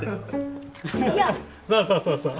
そうそうそうそう。